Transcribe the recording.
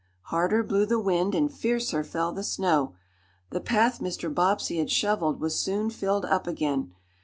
Harder blew the wind, and fiercer fell the snow. The path Mr. Bobbsey had shoveled was soon filled up again.